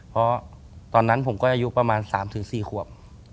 เพราะตอนนั้นผมก็อายุประมาณ๓๔ขวบ